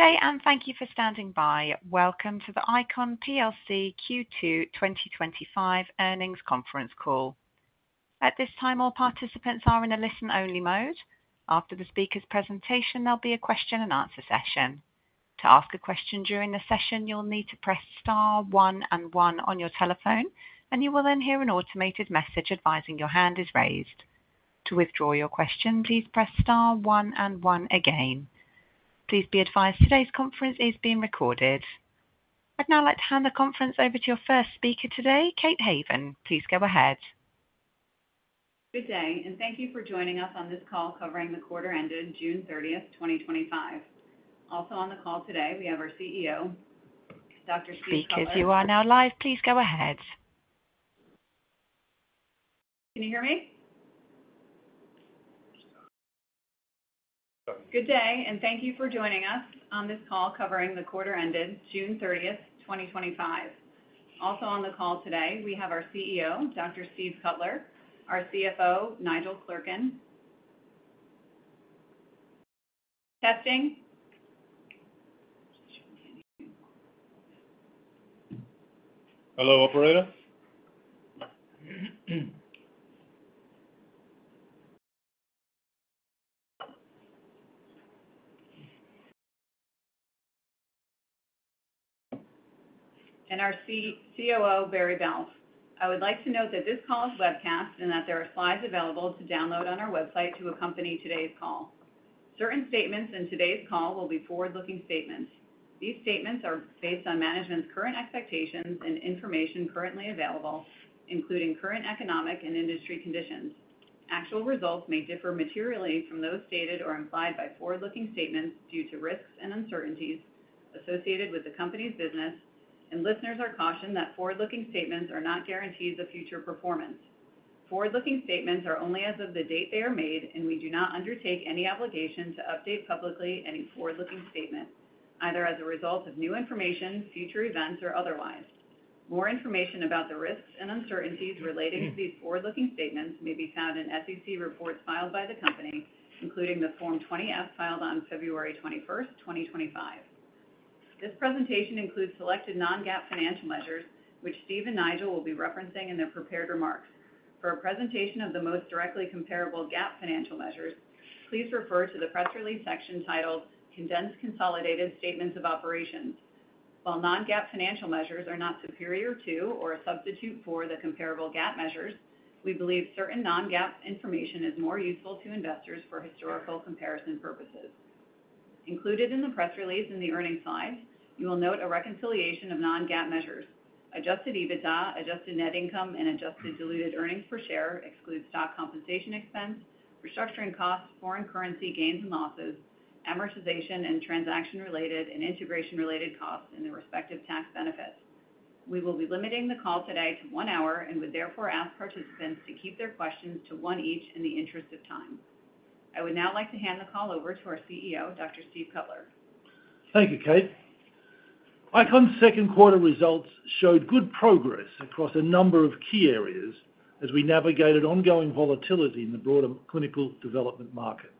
Okay, and thank you for standing by. Welcome to the ICON Q2 2025 earnings conference call. At this time, all participants are in a listen-only mode. After the speaker's presentation, there'll be a question-and-answer session. To ask a question during the session, you'll need to press star one and one on your telephone, and you will then hear an automated message advising your hand is raised. To withdraw your question, please press star one and one again. Please be advised today's conference is being recorded. I'd now like to hand the conference over to your first speaker today, Kate Haven. Please go ahead. Good day, and thank you for joining us on this call covering the quarter ended June 30, 2025. Also on the call today, we have our CEO, Dr. Steve Cutler. Speakers, you are now live. Please go ahead. Can you hear me? Good day, and thank you for joining us on this call covering the quarter ended June 30, 2025. Also on the call today, we have our CEO, Dr. Steve Cutler, our CFO, Nigel Clerkin. Testing. Hello, operator. Our COO, Barry Balfe. I would like to note that this call is webcast and that there are slides available to download on our website to accompany today's call. Certain statements in today's call will be forward-looking statements. These statements are based on management's current expectations and information currently available, including current economic and industry conditions. Actual results may differ materially from those stated or implied by forward-looking statements due to risks and uncertainties associated with the company's business, and listeners are cautioned that forward-looking statements are not guarantees of future performance. Forward-looking statements are only as of the date they are made, and we do not undertake any obligation to update publicly any forward-looking statement, either as a result of new information, future events, or otherwise. More information about the risks and uncertainties relating to these forward-looking statements may be found in SEC reports filed by the company, including the Form 20F filed on February 21, 2025. This presentation includes selected non-GAAP financial measures, which Steve and Nigel will be referencing in their prepared remarks. For a presentation of the most directly comparable GAAP financial measures, please refer to the press release section titled "Condensed Consolidated Statements of Operations." While non-GAAP financial measures are not superior to or a substitute for the comparable GAAP measures, we believe certain non-GAAP information is more useful to investors for historical comparison purposes. Included in the press release and the earnings slides, you will note a reconciliation of non-GAAP measures. Adjusted EBITDA, adjusted net income, and adjusted diluted earnings per share exclude stock compensation expense, restructuring costs, foreign currency gains and losses, amortization, and transaction-related and integration-related costs in the respective tax benefits. We will be limiting the call today to one hour and would therefore ask participants to keep their questions to one each in the interest of time. I would now like to hand the call over to our CEO, Dr. Steve Cutler. Thank you, Kate. ICON's second quarter results showed good progress across a number of key areas as we navigated ongoing volatility in the broader clinical development market.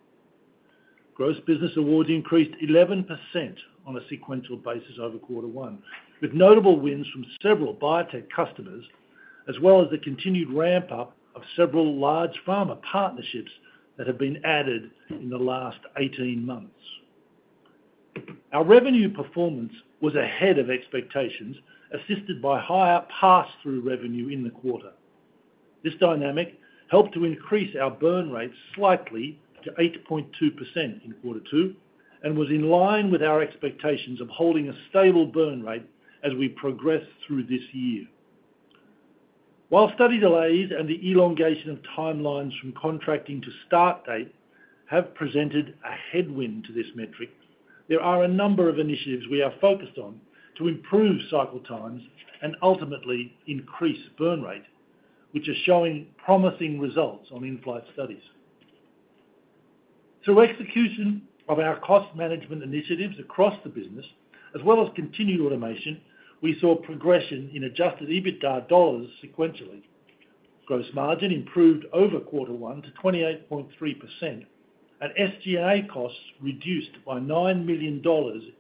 Gross business awards increased 11% on a sequential basis over quarter one, with notable wins from several biotech customers, as well as the continued ramp-up of several large pharma partnerships that have been added in the last 18 months. Our revenue performance was ahead of expectations, assisted by higher pass-through revenue in the quarter. This dynamic helped to increase our burn rate slightly to 8.2% in quarter two and was in line with our expectations of holding a stable burn rate as we progressed through this year. While study delays and the elongation of timelines from contracting to start date have presented a headwind to this metric, there are a number of initiatives we are focused on to improve cycle times and ultimately increase burn rate, which are showing promising results on in-flight studies. Through execution of our cost management initiatives across the business, as well as continued automation, we saw progression in adjusted EBITDA dollars sequentially. Gross margin improved over quarter one to 28.3%, and SG&A costs reduced by $9 million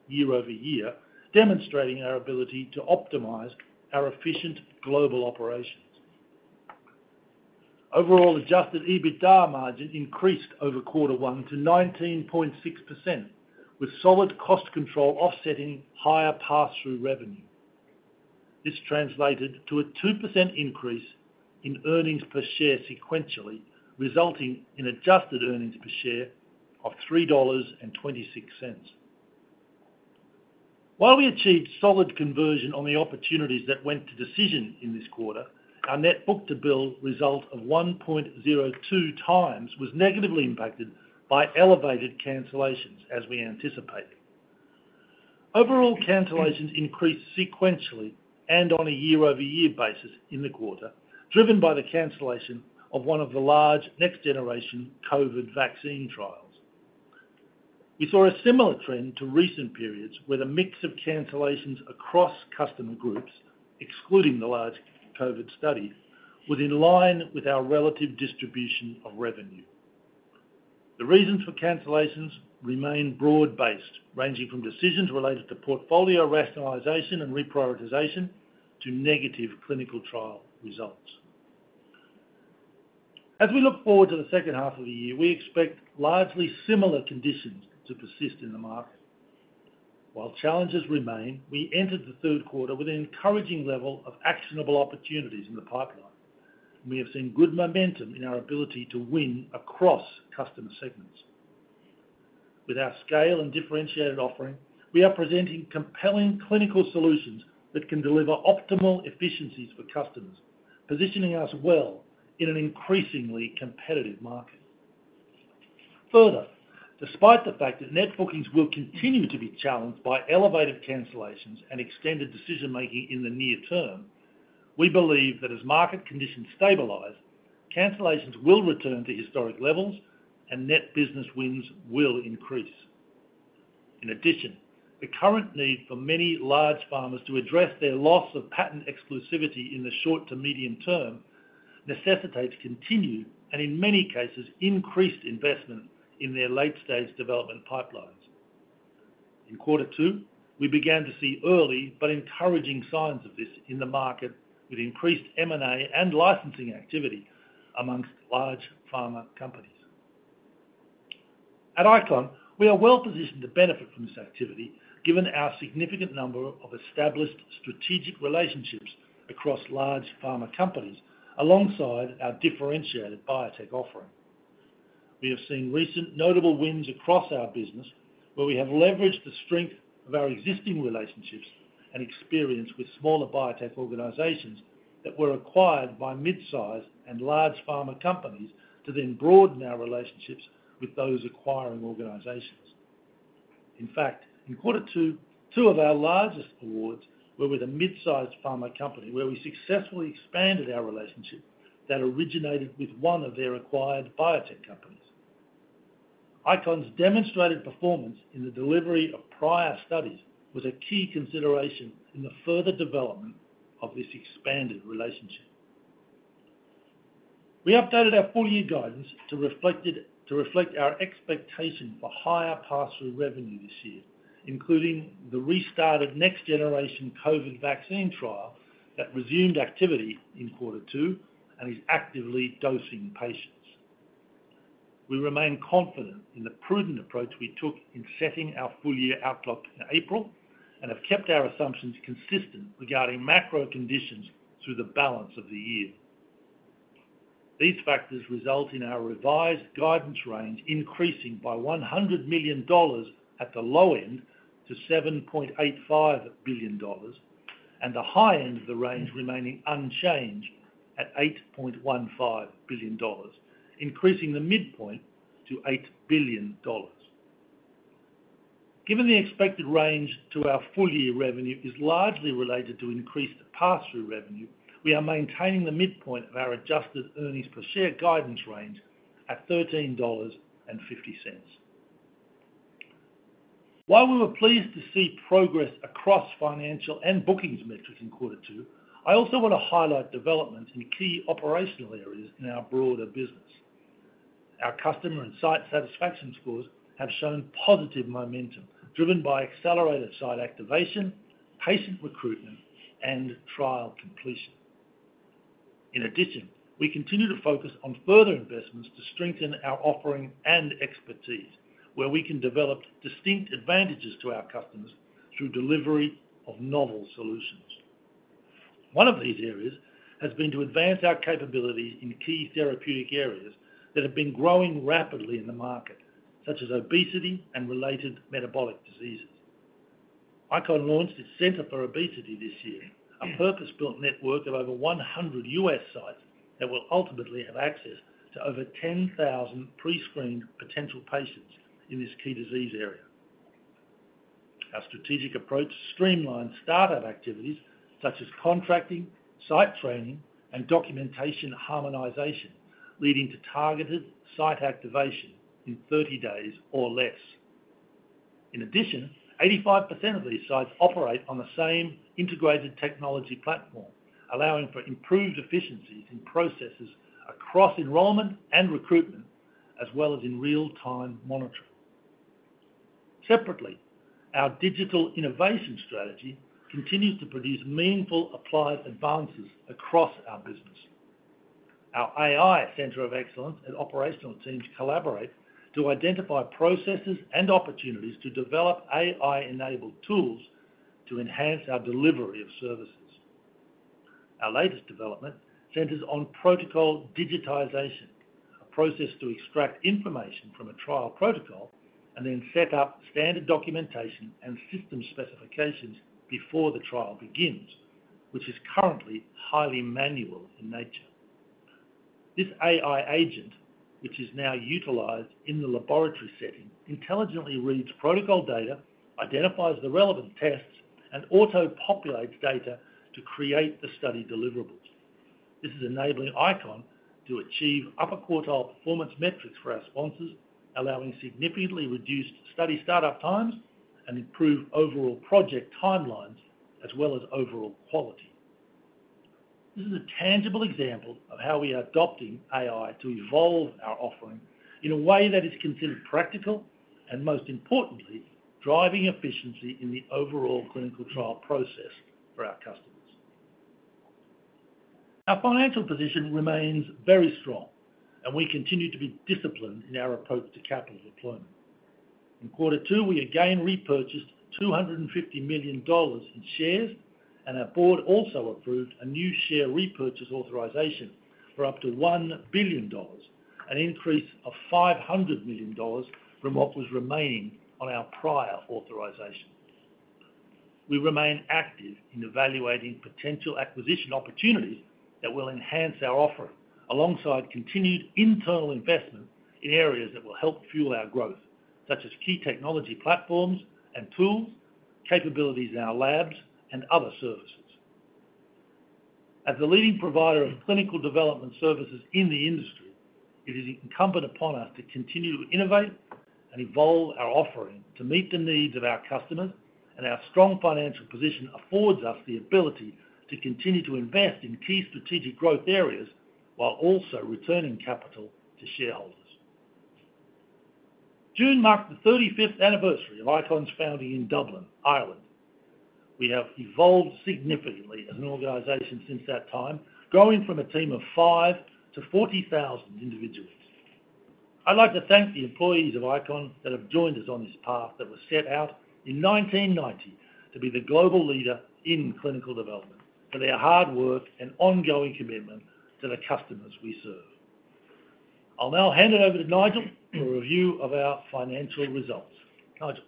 year-over-year, demonstrating our ability to optimize our efficient global operations. Overall, adjusted EBITDA margin increased over quarter one to 19.6%, with solid cost control offsetting higher pass-through revenue. This translated to a 2% increase in earnings per share sequentially, resulting in adjusted earnings per share of $3.26. While we achieved solid conversion on the opportunities that went to decision in this quarter, our net book-to-bill result of 1.02 times was negatively impacted by elevated cancellations, as we anticipated. Overall cancellations increased sequentially and on a year-over-year basis in the quarter, driven by the cancellation of one of the large next-generation COVID vaccine trials. We saw a similar trend to recent periods where the mix of cancellations across customer groups, excluding the large COVID studies, was in line with our relative distribution of revenue. The reasons for cancellations remain broad-based, ranging from decisions related to portfolio rationalization and reprioritization to negative clinical trial results. As we look forward to the second half of the year, we expect largely similar conditions to persist in the market. While challenges remain, we entered the third quarter with an encouraging level of actionable opportunities in the pipeline, and we have seen good momentum in our ability to win across customer segments. With our scale and differentiated offering, we are presenting compelling clinical solutions that can deliver optimal efficiencies for customers, positioning us well in an increasingly competitive market. Further, despite the fact that net bookings will continue to be challenged by elevated cancellations and extended decision-making in the near term, we believe that as market conditions stabilize, cancellations will return to historic levels and net business wins will increase. In addition, the current need for many large pharmas to address their loss of patent exclusivity in the short to medium term necessitates continued and, in many cases, increased investment in their late-stage development pipelines. In quarter two, we began to see early but encouraging signs of this in the market, with increased M&A and licensing activity amongst large pharma companies. At ICON, we are well-positioned to benefit from this activity, given our significant number of established strategic relationships across large pharma companies alongside our differentiated biotech offering. We have seen recent notable wins across our business, where we have leveraged the strength of our existing relationships and experience with smaller biotech organizations that were acquired by mid-size and large pharma companies to then broaden our relationships with those acquiring organizations. In fact, in quarter two, two of our largest awards were with a mid-sized pharma company where we successfully expanded our relationship that originated with one of their acquired biotech companies. ICON's demonstrated performance in the delivery of prior studies was a key consideration in the further development of this expanded relationship. We updated our full-year guidance to reflect our expectation for higher pass-through revenue this year, including the restarted next-generation COVID vaccine trial that resumed activity in quarter two and is actively dosing patients. We remain confident in the prudent approach we took in setting our full-year outlook in April and have kept our assumptions consistent regarding macro conditions through the balance of the year. These factors result in our revised guidance range increasing by $100 million at the low end to $7.85 billion and the high end of the range remaining unchanged at $8.15 billion, increasing the midpoint to $8 billion. Given the expected range to our full-year revenue is largely related to increased pass-through revenue, we are maintaining the midpoint of our adjusted earnings per share guidance range at $13.50. While we were pleased to see progress across financial and bookings metrics in quarter two, I also want to highlight developments in key operational areas in our broader business. Our customer and site satisfaction scores have shown positive momentum, driven by accelerated site activation, patient recruitment, and trial completion. In addition, we continue to focus on further investments to strengthen our offering and expertise, where we can develop distinct advantages to our customers through delivery of novel solutions. One of these areas has been to advance our capabilities in key therapeutic areas that have been growing rapidly in the market, such as obesity and related metabolic diseases. ICON launched its Center for Obesity this year, a purpose-built network of over 100 US sites that will ultimately have access to over 10,000 pre-screened potential patients in this key disease area. Our strategic approach streamlines startup activities such as contracting, site training, and documentation harmonization, leading to targeted site activation in 30 days or less. In addition, 85% of these sites operate on the same integrated technology platform, allowing for improved efficiencies in processes across enrollment and recruitment, as well as in real-time monitoring. Separately, our digital innovation strategy continues to produce meaningful applied advances across our business. Our AI Center of Excellence and operational teams collaborate to identify processes and opportunities to develop AI-enabled tools to enhance our delivery of services. Our latest development centers on protocol digitization, a process to extract information from a trial protocol and then set up standard documentation and system specifications before the trial begins, which is currently highly manual in nature. This AI agent, which is now utilized in the laboratory setting, intelligently reads protocol data, identifies the relevant tests, and auto-populates data to create the study deliverables. This is enabling ICON to achieve upper-quartile performance metrics for our sponsors, allowing significantly reduced study startup times and improved overall project timelines, as well as overall quality. This is a tangible example of how we are adopting AI to evolve our offering in a way that is considered practical and, most importantly, driving efficiency in the overall clinical trial process for our customers. Our financial position remains very strong, and we continue to be disciplined in our approach to capital deployment. In quarter two, we again repurchased $250 million in shares, and our board also approved a new share repurchase authorization for up to $1 billion, an increase of $500 million from what was remaining on our prior authorization. We remain active in evaluating potential acquisition opportunities that will enhance our offering, alongside continued internal investment in areas that will help fuel our growth, such as key technology platforms and tools, capabilities in our labs, and other services. As the leading provider of clinical development services in the industry, it is incumbent upon us to continue to innovate and evolve our offering to meet the needs of our customers, and our strong financial position affords us the ability to continue to invest in key strategic growth areas while also returning capital to shareholders. June marked the 35th anniversary of ICON's founding in Dublin, Ireland. We have evolved significantly as an organization since that time, growing from a team of 5 to 40,000 individuals. I'd like to thank the employees of ICON that have joined us on this path that was set out in 1990 to be the global leader in clinical development for their hard work and ongoing commitment to the customers we serve. I'll now hand it over to Nigel for a review of our financial results. Nigel.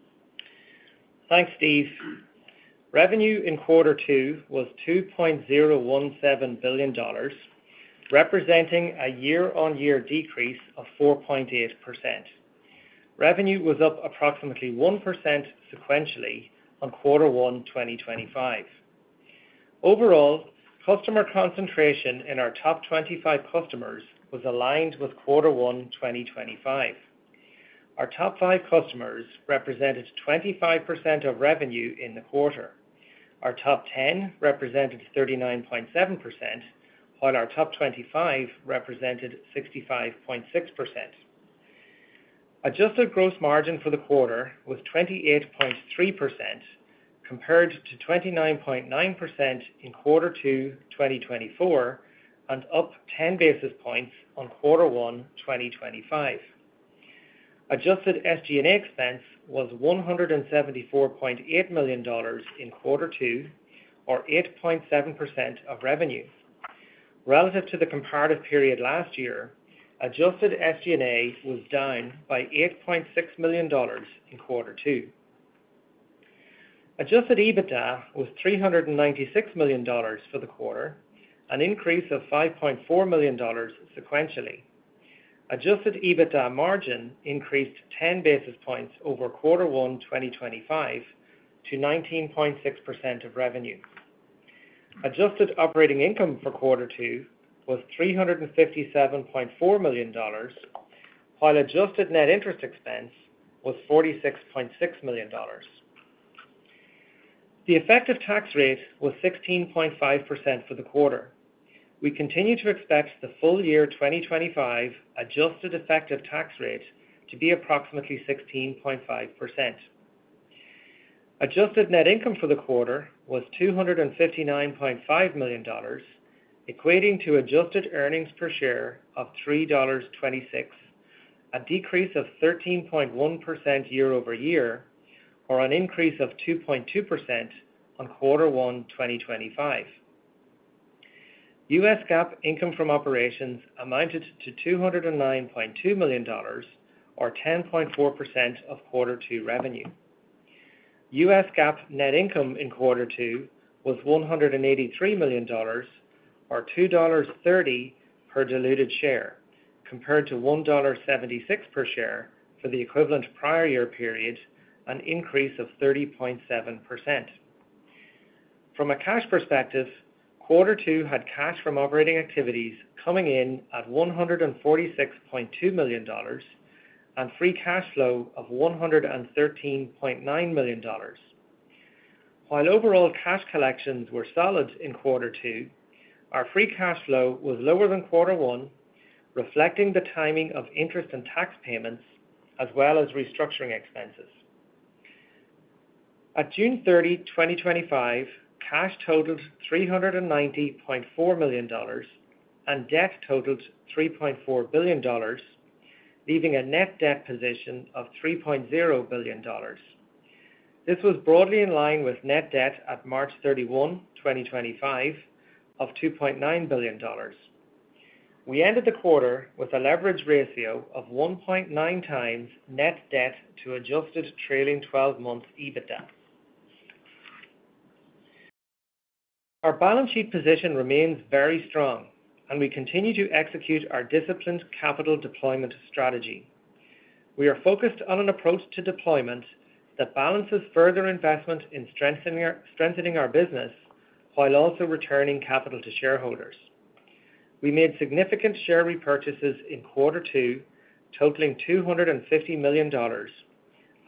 Thanks, Steve. Revenue in quarter two was $2.017 billion, representing a year-on-year decrease of 4.8%. Revenue was up approximately 1% sequentially on quarter one 2025. Overall, customer concentration in our top 25 customers was aligned with quarter one 2025. Our top five customers represented 25% of revenue in the quarter. Our top 10 represented 39.7%, while our top 25 represented 65.6%. Adjusted gross margin for the quarter was 28.3%, compared to 29.9% in quarter two 2024 and up 10 basis points on quarter one 2025. Adjusted SG&A expense was $174.8 million in quarter two, or 8.7% of revenue. Relative to the comparative period last year, adjusted SG&A was down by $8.6 million in quarter two. Adjusted EBITDA was $396 million for the quarter, an increase of $5.4 million sequentially. Adjusted EBITDA margin increased 10 basis points over quarter one 2025 to 19.6% of revenue. Adjusted operating income for quarter two was $357.4 million, while adjusted net interest expense was $46.6 million. The effective tax rate was 16.5% for the quarter. We continue to expect the full year 2025 adjusted effective tax rate to be approximately 16.5%. Adjusted net income for the quarter was $259.5 million, equating to adjusted earnings per share of $3.26, a decrease of 13.1% year-over-year, or an increase of 2.2% on quarter one 2025. US GAAP income from operations amounted to $209.2 million, or 10.4% of quarter two revenue. US GAAP net income in quarter two was $183 million, or $2.30 per diluted share, compared to $1.76 per share for the equivalent prior year period, an increase of 30.7%. From a cash perspective, quarter two had cash from operating activities coming in at $146.2 million and free cash flow of $113.9 million. While overall cash collections were solid in quarter two, our free cash flow was lower than quarter one, reflecting the timing of interest and tax payments, as well as restructuring expenses. At June 30, 2025, cash totaled $390.4 million and debt totaled $3.4 billion, leaving a net debt position of $3.0 billion. This was broadly in line with net debt at March 31, 2025, of $2.9 billion. We ended the quarter with a leverage ratio of 1.9 times net debt to adjusted trailing 12-month EBITDA. Our balance sheet position remains very strong, and we continue to execute our disciplined capital deployment strategy. We are focused on an approach to deployment that balances further investment in strengthening our business while also returning capital to shareholders. We made significant share repurchases in quarter two, totaling $250 million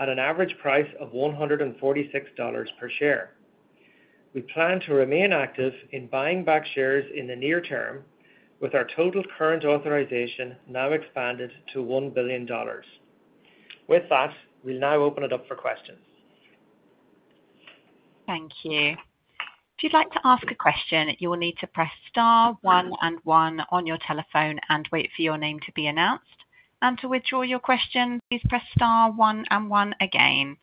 at an average price of $146 per share. We plan to remain active in buying back shares in the near term, with our total current authorization now expanded to $1 billion. With that, we'll now open it up for questions. Thank you. If you'd like to ask a question, you will need to press star one and one on your telephone and wait for your name to be announced. To withdraw your question, please press star one and one again.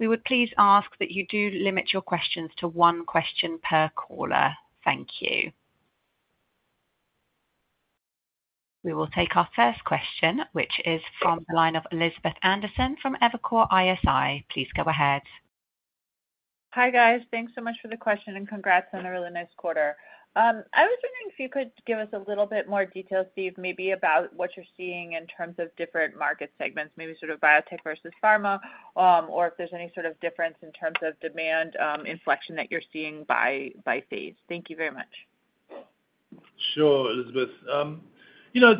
We would please ask that you do limit your questions to one question per caller. Thank you. We will take our first question, which is from the line of Elizabeth Anderson from Evercore ISI. Please go ahead. Hi, guys. Thanks so much for the question, and congrats on a really nice quarter. I was wondering if you could give us a little bit more detail, Steve, maybe about what you're seeing in terms of different market segments, maybe sort of biotech versus pharma, or if there's any sort of difference in terms of demand inflection that you're seeing by phase. Thank you very much. Sure, Elizabeth.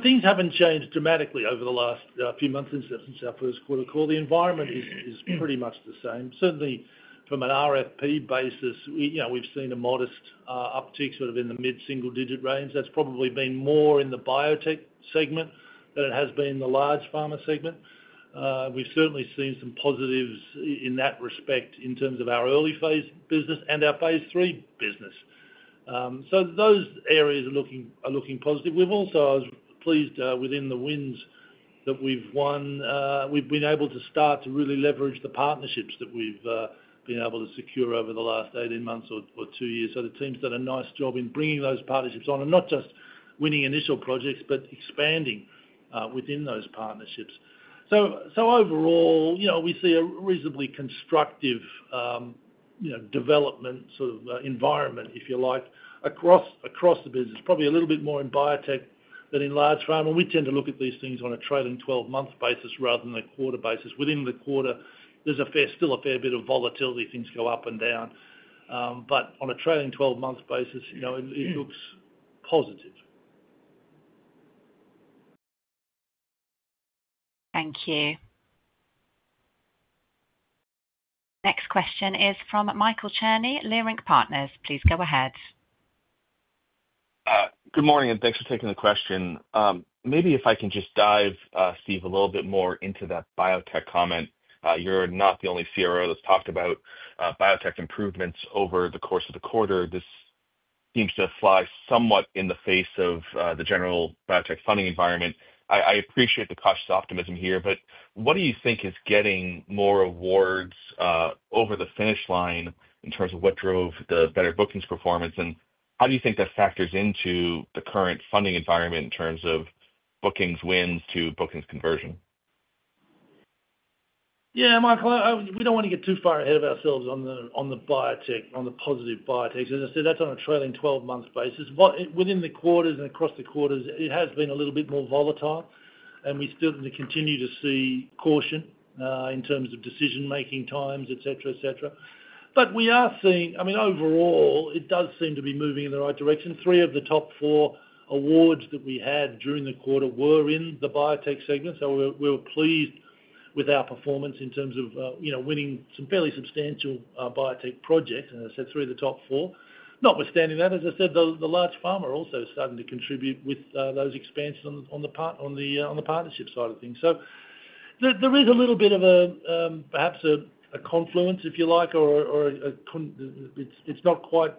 Things haven't changed dramatically over the last few months since our first quarter call. The environment is pretty much the same. Certainly, from an RFP basis, we've seen a modest uptick sort of in the mid-single-digit range. That's probably been more in the biotech segment than it has been in the large pharma segment. We've certainly seen some positives in that respect in terms of our early phase business and our phase three business. Those areas are looking positive. We're also pleased within the wins that we've won. We've been able to start to really leverage the partnerships that we've been able to secure over the last 18 months or two years. The team's done a nice job in bringing those partnerships on and not just winning initial projects, but expanding within those partnerships. Overall, we see a reasonably constructive development sort of environment, if you like, across the business. Probably a little bit more in biotech than in large pharma. We tend to look at these things on a trailing 12-month basis rather than a quarter basis. Within the quarter, there's still a fair bit of volatility. Things go up and down. On a trailing 12-month basis, it looks positive. Thank you. Next question is from Michael Cherny, Leerink Partners. Please go ahead. Good morning, and thanks for taking the question. Maybe if I can just dive, Steve, a little bit more into that biotech comment. You're not the only CRO that's talked about biotech improvements over the course of the quarter. This seems to fly somewhat in the face of the general biotech funding environment. I appreciate the cautious optimism here, but what do you think is getting more awards over the finish line in terms of what drove the better bookings performance? How do you think that factors into the current funding environment in terms of bookings wins to bookings conversion? Yeah, Michael, we do not want to get too far ahead of ourselves on the positive biotechs. As I said, that is on a trailing 12-month basis. Within the quarters and across the quarters, it has been a little bit more volatile, and we still continue to see caution in terms of decision-making times, etc., etc. I mean, overall, it does seem to be moving in the right direction. Three of the top four awards that we had during the quarter were in the biotech segment. We were pleased with our performance in terms of winning some fairly substantial biotech projects, as I said, three of the top four. Notwithstanding that, as I said, the large pharma are also starting to contribute with those expansions on the partnership side of things. There is a little bit of a, perhaps, a confluence, if you like, or a. It is not quite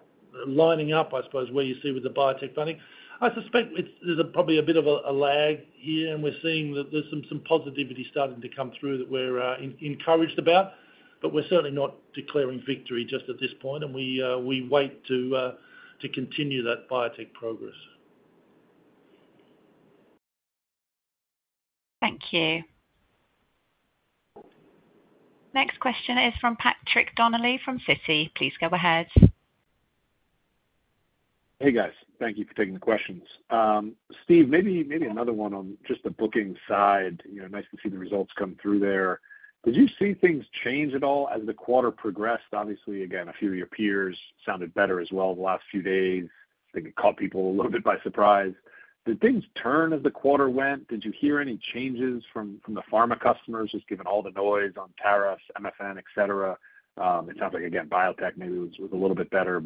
lining up, I suppose, where you see with the biotech funding. I suspect there is probably a bit of a lag here, and we are seeing that there is some positivity starting to come through that we are encouraged about. We are certainly not declaring victory just at this point, and we wait to continue that biotech progress. Thank you. Next question is from Patrick Donnelly from Citi. Please go ahead. Hey, guys. Thank you for taking the questions. Steve, maybe another one on just the booking side. Nice to see the results come through there. Did you see things change at all as the quarter progressed? Obviously, again, a few of your peers sounded better as well the last few days. I think it caught people a little bit by surprise. Did things turn as the quarter went? Did you hear any changes from the pharma customers, just given all the noise on tariffs, MFN, etc.? It sounds like, again, biotech maybe was a little bit better.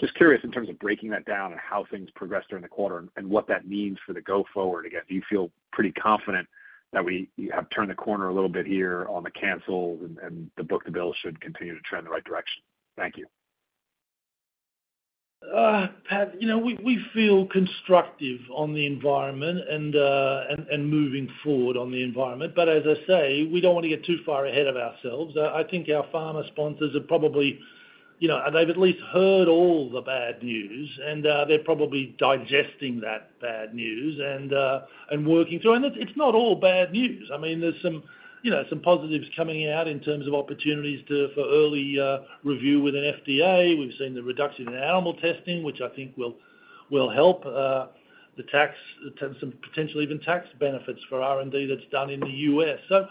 Just curious in terms of breaking that down and how things progressed during the quarter and what that means for the go-forward. Again, do you feel pretty confident that we have turned the corner a little bit here on the cancels and the book-to-bill should continue to trend the right direction? Thank you. Pat, we feel constructive on the environment and moving forward on the environment. But as I say, we don't want to get too far ahead of ourselves. I think our pharma sponsors are probably—they've at least heard all the bad news, and they're probably digesting that bad news and working through it. And it's not all bad news. I mean, there's some positives coming out in terms of opportunities for early review with an FDA. We've seen the reduction in animal testing, which I think will help. The tax, potentially even tax benefits for R&D that's done in the U.S. So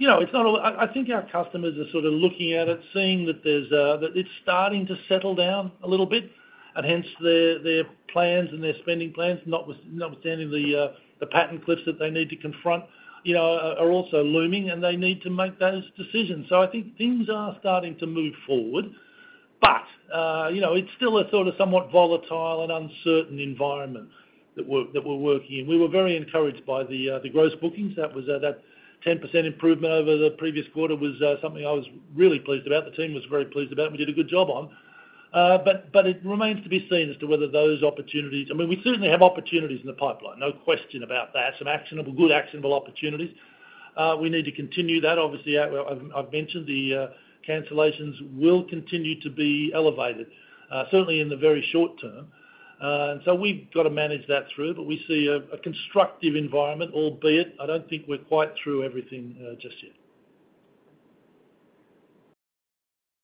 it's not a—I think our customers are sort of looking at it, seeing that it's starting to settle down a little bit. And hence, their plans and their spending plans, notwithstanding the patent cliffs that they need to confront, are also looming, and they need to make those decisions. I think things are starting to move forward. But it's still a sort of somewhat volatile and uncertain environment that we're working in. We were very encouraged by the gross bookings. That 10% improvement over the previous quarter was something I was really pleased about. The team was very pleased about it. We did a good job on. But it remains to be seen as to whether those opportunities—I mean, we certainly have opportunities in the pipeline. No question about that. Some actionable, good actionable opportunities. We need to continue that. Obviously, I've mentioned the cancellations will continue to be elevated, certainly in the very short term. And so we've got to manage that through. But we see a constructive environment, albeit, I don't think we're quite through everything just yet.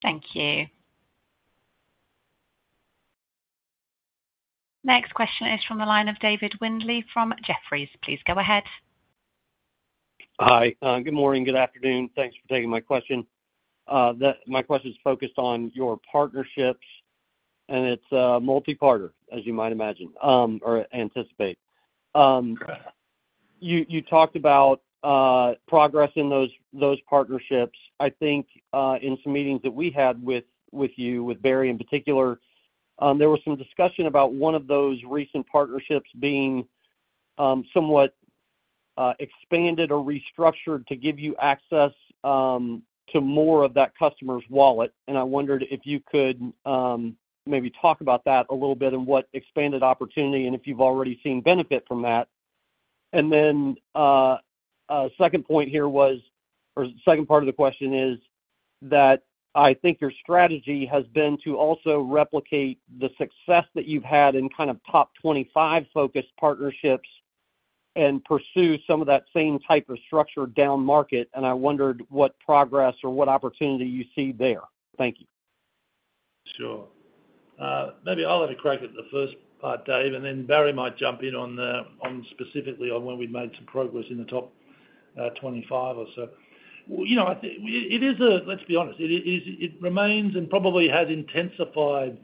Thank you. Next question is from the line of David Windley from Jefferies. Please go ahead. Hi. Good morning. Good afternoon. Thanks for taking my question. My question is focused on your partnerships, and it's multi-partner, as you might imagine or anticipate. You talked about progress in those partnerships. I think in some meetings that we had with you, with Barry in particular, there was some discussion about one of those recent partnerships being somewhat expanded or restructured to give you access to more of that customer's wallet. I wondered if you could maybe talk about that a little bit and what expanded opportunity and if you've already seen benefit from that. A second point here was, or the second part of the question is that I think your strategy has been to also replicate the success that you've had in kind of top 25-focused partnerships and pursue some of that same type of structure down market. I wondered what progress or what opportunity you see there. Thank you. Sure. Maybe I'll let it crack at the first part, Dave, and then Barry might jump in specifically on when we've made some progress in the top 25 or so. It is a—let's be honest. It remains and probably has intensified.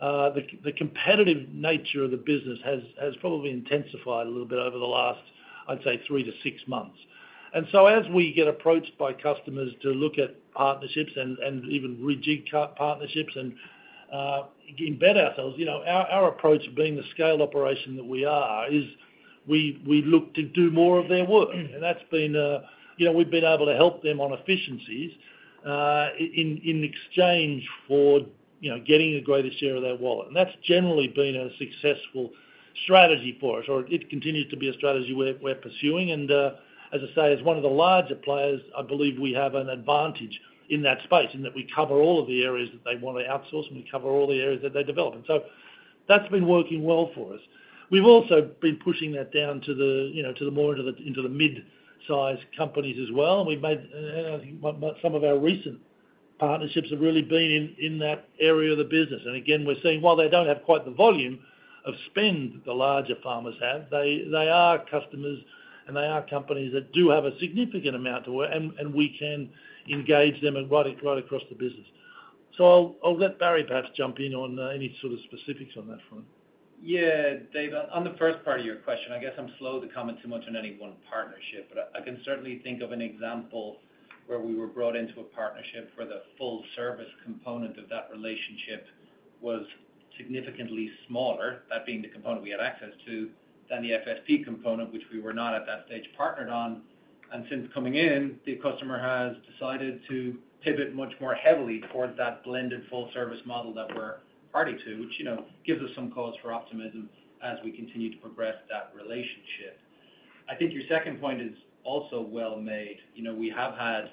The competitive nature of the business has probably intensified a little bit over the last, I'd say, three to six months. As we get approached by customers to look at partnerships and even rejig partnerships and get better ourselves, our approach of being the scale operation that we are is we look to do more of their work. That's been—we've been able to help them on efficiencies in exchange for getting the greatest share of their wallet. That's generally been a successful strategy for us, or it continues to be a strategy we're pursuing. As I say, as one of the larger players, I believe we have an advantage in that space in that we cover all of the areas that they want to outsource, and we cover all the areas that they develop. That's been working well for us. We've also been pushing that down more into the mid-size companies as well. I think some of our recent partnerships have really been in that area of the business. Again, we're saying, while they don't have quite the volume of spend that the larger pharmas have, they are customers, and they are companies that do have a significant amount of work, and we can engage them right across the business. I'll let Barry, perhaps, jump in on any sort of specifics on that front. Yeah, Dave, on the first part of your question, I guess I'm slow to comment too much on any one partnership, but I can certainly think of an example where we were brought into a partnership where the full-service component of that relationship was significantly smaller, that being the component we had access to, than the FSP component, which we were not at that stage partnered on. Since coming in, the customer has decided to pivot much more heavily towards that blended full-service model that we're party to, which gives us some cause for optimism as we continue to progress that relationship. I think your second point is also well-made. We have had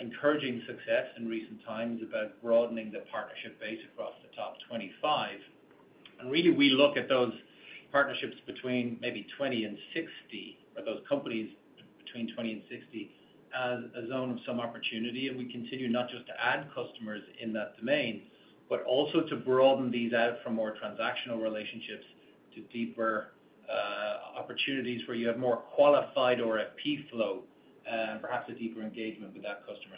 encouraging success in recent times about broadening the partnership base across the top 25. Really, we look at those partnerships between maybe 20 and 60, or those companies between 20 and 60, as a zone of some opportunity. We continue not just to add customers in that domain, but also to broaden these out from more transactional relationships to deeper opportunities where you have more qualified RFP flow and perhaps a deeper engagement with that customer.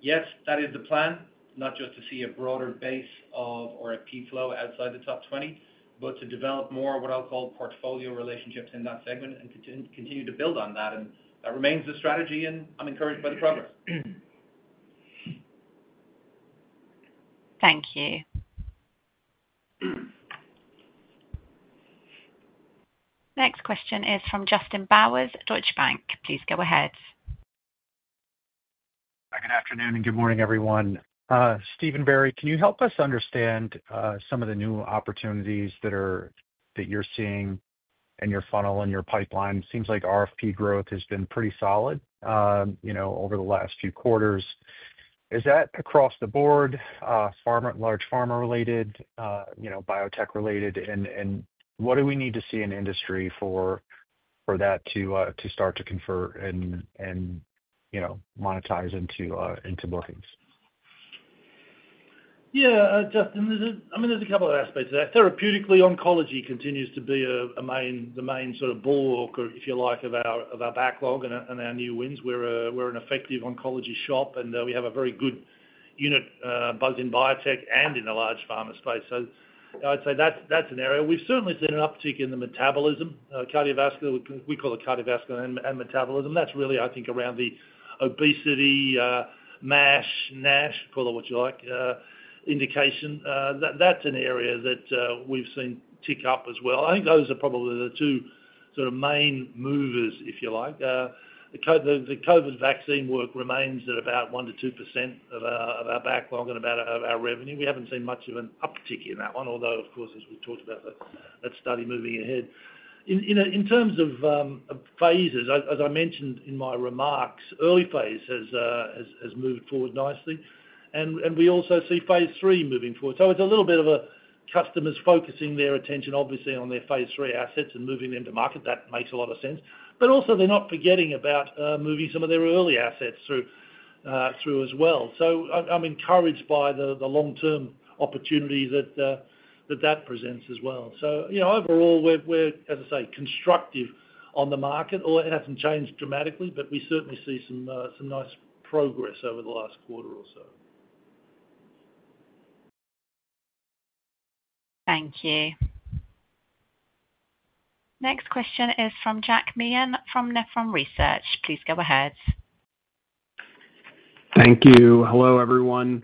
Yes, that is the plan, not just to see a broader base of RFP flow outside the top 20, but to develop more of what I'll call portfolio relationships in that segment and continue to build on that. That remains the strategy, and I'm encouraged by the progress. Thank you. Next question is from Justin Bowers, Deutsche Bank. Please go ahead. Hi, good afternoon, and good morning, everyone. Steven Barry, can you help us understand some of the new opportunities that you're seeing in your funnel and your pipeline? It seems like RFP growth has been pretty solid over the last few quarters. Is that across the board, large pharma-related, biotech-related? What do we need to see in industry for that to start to convert and monetize into bookings? Yeah, Justin, I mean, there's a couple of aspects of that. Therapeutically, oncology continues to be the main sort of bulwark, if you like, of our backlog and our new wins. We're an effective oncology shop, and we have a very good unit both in biotech and in the large pharma space. I'd say that's an area. We've certainly seen an uptick in the metabolism, cardiovascular. We call it cardiovascular and metabolism. That's really, I think, around the obesity. MASH, NASH, call it what you like, indication. That's an area that we've seen tick up as well. I think those are probably the two sort of main movers, if you like. The COVID vaccine work remains at about 1%-2% of our backlog and about our revenue. We haven't seen much of an uptick in that one, although, of course, as we've talked about that study moving ahead. In terms of phases, as I mentioned in my remarks, early phase has moved forward nicely. We also see phase three moving forward. It's a little bit of customers focusing their attention, obviously, on their phase three assets and moving them to market. That makes a lot of sense. Also, they're not forgetting about moving some of their early assets through as well. I'm encouraged by the long-term opportunity that presents as well. Overall, we're, as I say, constructive on the market. It hasn't changed dramatically, but we certainly see some nice progress over the last quarter or so. Thank you. Next question is from Jack Meehan from Nephron Research. Please go ahead. Thank you. Hello, everyone.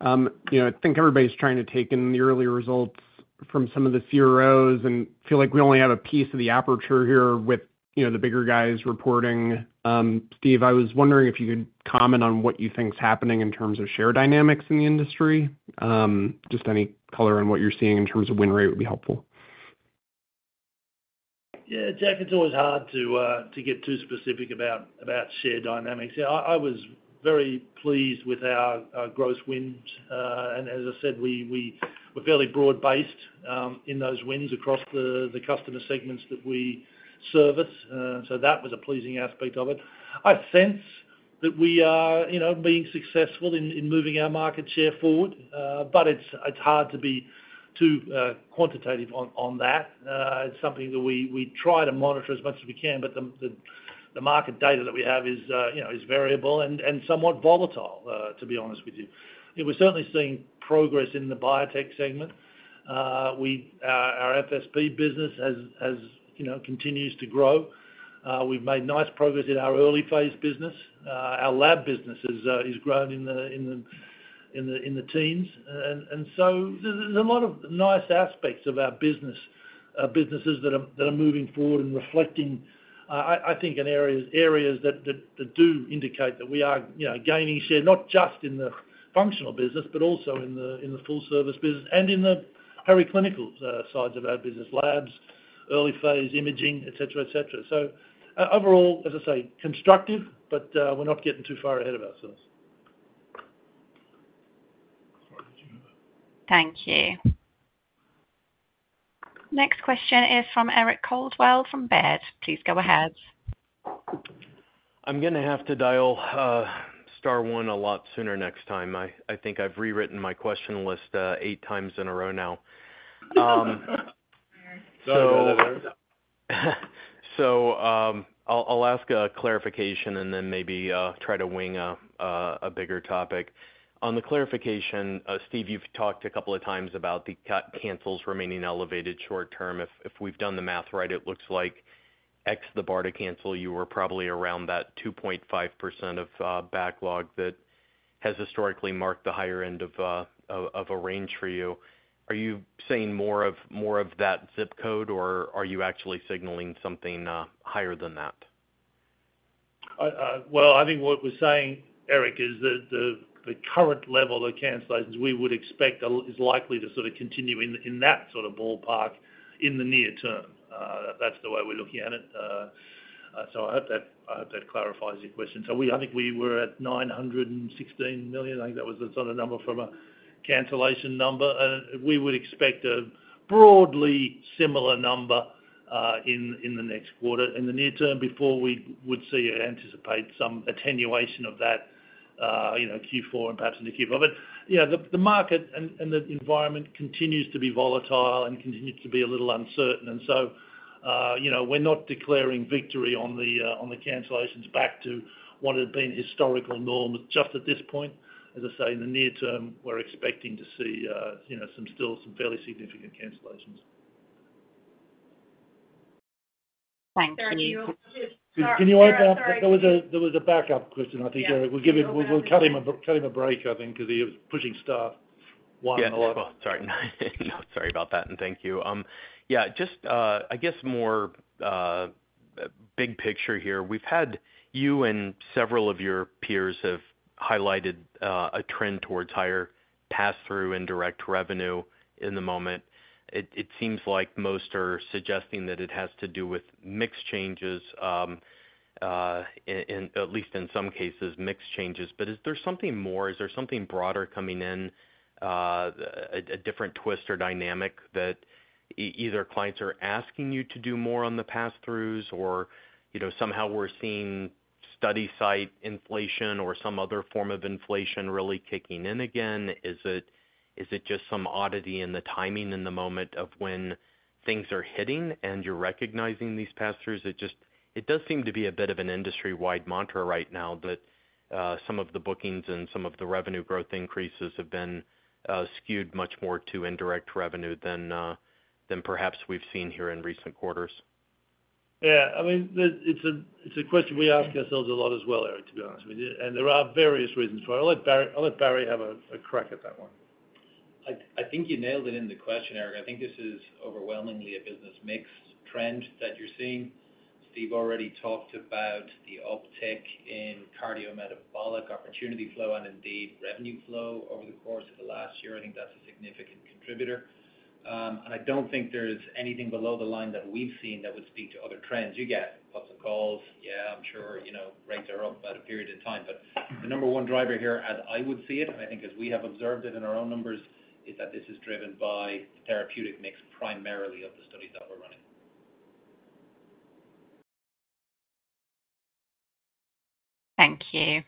I think everybody's trying to take in the early results from some of the CROs and feel like we only have a piece of the aperture here with the bigger guys reporting. Steve, I was wondering if you could comment on what you think is happening in terms of share dynamics in the industry. Just any color on what you're seeing in terms of win rate would be helpful. Yeah, Jack, it's always hard to get too specific about share dynamics. Yeah, I was very pleased with our gross wins. As I said, we're fairly broad-based in those wins across the customer segments that we service. That was a pleasing aspect of it. I sense that we are being successful in moving our market share forward, but it's hard to be too quantitative on that. It's something that we try to monitor as much as we can, but the market data that we have is variable and somewhat volatile, to be honest with you. We're certainly seeing progress in the biotech segment. Our FSP business continues to grow. We've made nice progress in our early phase business. Our lab business has grown in the teens. There's a lot of nice aspects of our business, businesses that are moving forward and reflecting, I think, in areas that do indicate that we are gaining share, not just in the functional business, but also in the full-service business and in the periclinical sides of our business: labs, early phase imaging, etc., etc. Overall, as I say, constructive, but we're not getting too far ahead of ourselves. Thank you. Next question is from Eric Coldwell from Baird. Please go ahead. I'm going to have to dial star one a lot sooner next time. I think I've rewritten my question list eight times in a row now. I'll ask a clarification and then maybe try to wing a bigger topic. On the clarification, Steve, you've talked a couple of times about the cancels remaining elevated short term. If we've done the math right, it looks like, excluding the bar to cancel, you were probably around that 2.5% of backlog that has historically marked the higher end of a range for you. Are you saying more of that zip code, or are you actually signaling something higher than that? I think what we're saying, Eric, is that the current level of cancellations we would expect is likely to sort of continue in that sort of ballpark in the near term. That's the way we're looking at it. I hope that clarifies your question. I think we were at $916 million. I think that was the sort of number from a cancellation number. We would expect a broadly similar number in the next quarter in the near term before we would see or anticipate some attenuation of that, Q4 and perhaps into Q4. Yeah, the market and the environment continues to be volatile and continues to be a little uncertain. We're not declaring victory on the cancellations back to what had been historical norms just at this point. As I say, in the near term, we're expecting to see still some fairly significant cancellations. Thank you. Can you open up? There was a backup question, I think, Eric. We'll cut him a break, I think, because he was pushing staff. Yeah, sorry. No, sorry about that. Thank you. Yeah, just, I guess, more big picture here. We've had you and several of your peers have highlighted a trend towards higher pass-through indirect revenue in the moment. It seems like most are suggesting that it has to do with mix changes, at least in some cases, mix changes. Is there something more? Is there something broader coming in, a different twist or dynamic? Either clients are asking you to do more on the pass-throughs, or somehow we're seeing study site inflation or some other form of inflation really kicking in again? Is it just some oddity in the timing in the moment of when things are hitting and you're recognizing these pass-throughs? It does seem to be a bit of an industry-wide mantra right now that some of the bookings and some of the revenue growth increases have been skewed much more to indirect revenue than perhaps we've seen here in recent quarters. Yeah. I mean, it's a question we ask ourselves a lot as well, Eric, to be honest with you. There are various reasons for it. I'll let Barry have a crack at that one. I think you nailed it in the question, Eric. I think this is overwhelmingly a business mix trend that you're seeing. Steve already talked about the uptick in cardiometabolic opportunity flow and indeed revenue flow over the course of the last year. I think that's a significant contributor. I don't think there's anything below the line that we've seen that would speak to other trends. You get lots of calls. Yeah, I'm sure rates are up about a period of time. The number one driver here, as I would see it, and I think as we have observed it in our own numbers, is that this is driven by the therapeutic mix primarily of the studies that we're running. Thank you.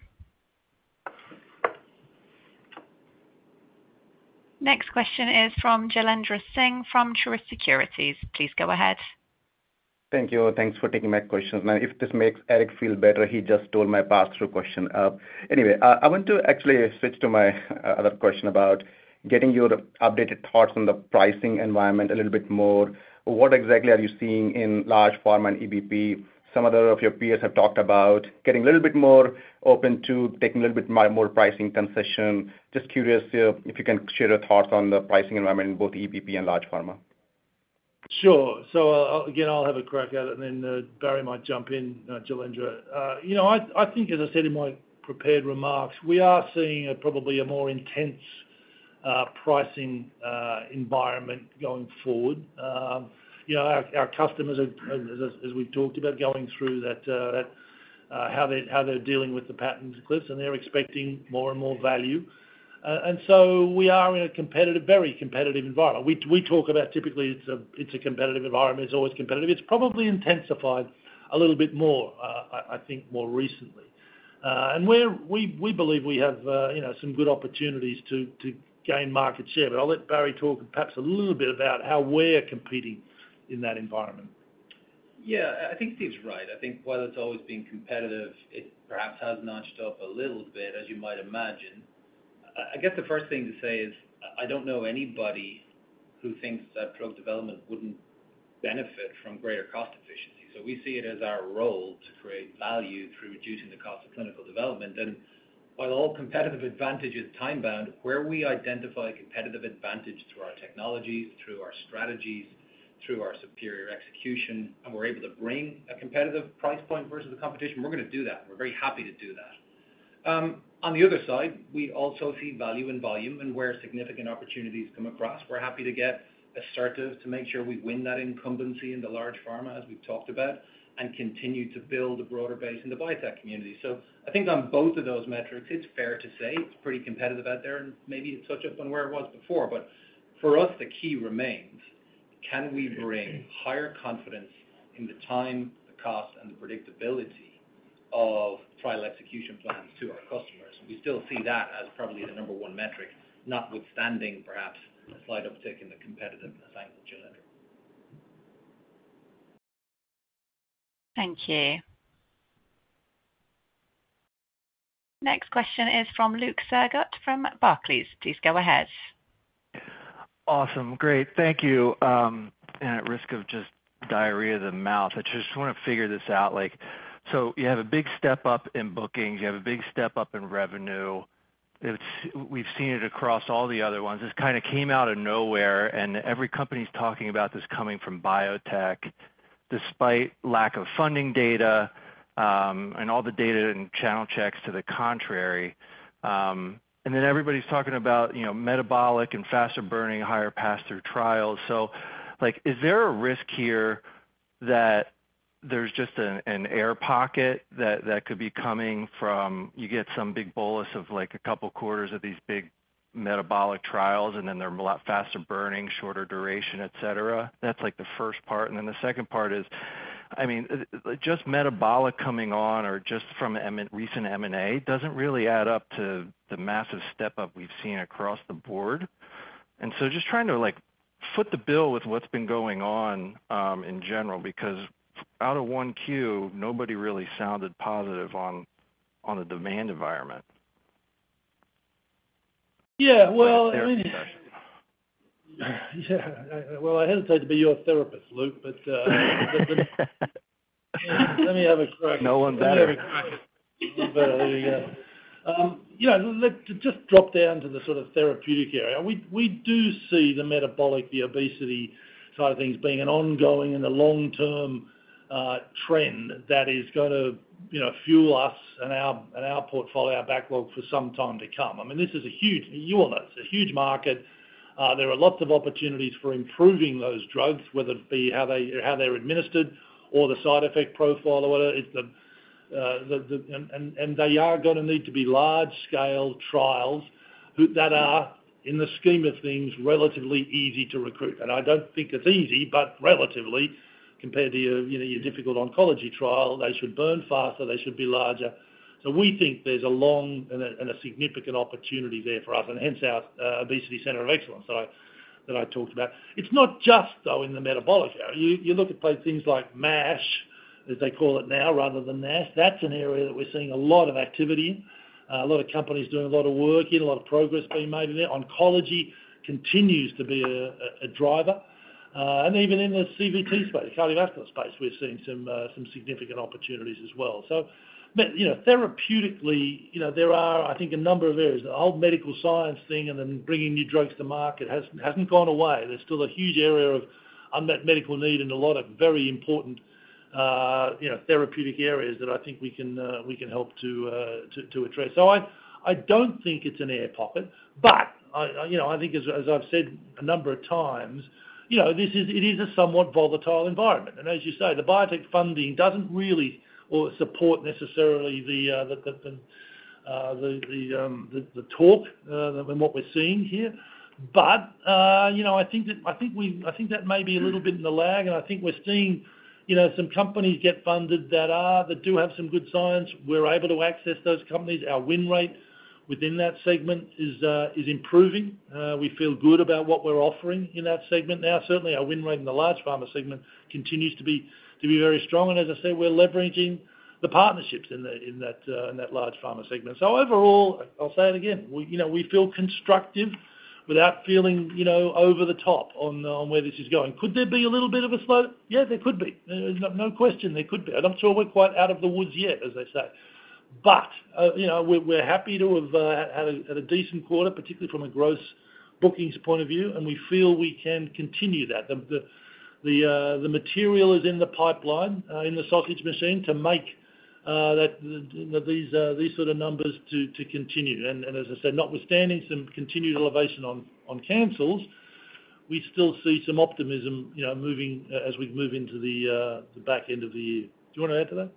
Next question is from Jalendra Singh from Truist Securities. Please go ahead. Thank you. Thanks for taking my questions. Now, if this makes Eric feel better, he just stole my pass-through question. Anyway, I want to actually switch to my other question about getting your updated thoughts on the pricing environment a little bit more. What exactly are you seeing in large pharma and EBP? Some of your peers have talked about getting a little bit more open to taking a little bit more pricing concession. Just curious if you can share your thoughts on the pricing environment in both EBP and large pharma. Sure. Again, I'll have a crack at it. Then Barry might jump in, Jalendra. I think, as I said in my prepared remarks, we are seeing probably a more intense pricing environment going forward. Our customers, as we've talked about, are going through how they're dealing with the patent cliffs, and they're expecting more and more value. We are in a very competitive environment. We talk about typically it's a competitive environment. It's always competitive. It's probably intensified a little bit more, I think, more recently. We believe we have some good opportunities to gain market share. I'll let Barry talk perhaps a little bit about how we're competing in that environment. Yeah, I think Steve's right. I think while it's always been competitive, it perhaps has notched up a little bit, as you might imagine. I guess the first thing to say is I don't know anybody who thinks that drug development wouldn't benefit from greater cost efficiency. We see it as our role to create value through reducing the cost of clinical development. While all competitive advantage is time-bound, where we identify competitive advantage through our technologies, through our strategies, through our superior execution, and we're able to bring a competitive price point versus the competition, we're going to do that. We're very happy to do that. On the other side, we also see value in volume and where significant opportunities come across. We're happy to get assertive to make sure we win that incumbency in the large pharma, as we've talked about, and continue to build a broader base in the biotech community. I think on both of those metrics, it's fair to say it's pretty competitive out there, and maybe it's touched up on where it was before. For us, the key remains: can we bring higher confidence in the time, the cost, and the predictability of trial execution plans to our customers? We still see that as probably the number one metric, notwithstanding perhaps a slight uptick in the competitiveness angle, Jalendra. Thank you. Next question is from Luke Sergott from Barclays. Please go ahead. Awesome. Great. Thank you. At risk of just diarrhea of the mouth, I just want to figure this out. You have a big step up in bookings. You have a big step up in revenue. We've seen it across all the other ones. This kind of came out of nowhere, and every company is talking about this coming from biotech despite lack of funding data. All the data and channel checks to the contrary. Everybody's talking about metabolic and faster burning, higher pass-through trials. Is there a risk here that there's just an air pocket that could be coming from you get some big bolus of a couple of quarters of these big metabolic trials, and then they're a lot faster burning, shorter duration, etc.? That's the first part. The second part is, I mean, just metabolic coming on or just from a recent M&A doesn't really add up to the massive step up we've seen across the board. Just trying to foot the bill with what's been going on in general, because out of one Q, nobody really sounded positive on the demand environment. Yeah. I mean. Yeah. I hesitate to be your therapist, Luke, but let me have a crack at it. No one better. Let me have a crack at it. A little better than you get. Yeah. Just drop down to the sort of therapeutic area. We do see the metabolic, the obesity side of things being an ongoing and a long-term trend that is going to fuel us and our portfolio, our backlog for some time to come. I mean, this is a huge—you all know—it's a huge market. There are lots of opportunities for improving those drugs, whether it be how they're administered or the side effect profile or whatever. They are going to need to be large-scale trials that are, in the scheme of things, relatively easy to recruit. I don't think it's easy, but relatively, compared to your difficult oncology trial, they should burn faster. They should be larger. We think there's a long and a significant opportunity there for us, and hence our obesity center of excellence that I talked about. It's not just, though, in the metabolic area. You look at things like MASH, as they call it now, rather than NASH. That's an area that we're seeing a lot of activity in. A lot of companies doing a lot of work in, a lot of progress being made in there. Oncology continues to be a driver. Even in the CVT space, cardiovascular space, we're seeing some significant opportunities as well. Therapeutically, there are, I think, a number of areas. The whole medical science thing and then bringing new drugs to market hasn't gone away. There's still a huge area of unmet medical need and a lot of very important therapeutic areas that I think we can help to address. I don't think it's an air pocket. I think, as I've said a number of times, it is a somewhat volatile environment. As you say, the biotech funding doesn't really support necessarily the talk, what we're seeing here. I think that may be a little bit in the lag. I think we're seeing some companies get funded that do have some good science. We're able to access those companies. Our win rate within that segment is improving. We feel good about what we're offering in that segment now. Certainly, our win rate in the large pharma segment continues to be very strong. As I said, we're leveraging the partnerships in that large pharma segment. Overall, I'll say it again. We feel constructive without feeling over the top on where this is going. Could there be a little bit of a slope? Yeah, there could be. No question. There could be. I'm not sure we're quite out of the woods yet, as they say. We're happy to have had a decent quarter, particularly from a gross bookings point of view. We feel we can continue that. The material is in the pipeline in the sausage machine to make these sort of numbers to continue. As I said, notwithstanding some continued elevation on cancels, we still see some optimism. As we move into the back end of the year. Do you want to add to that?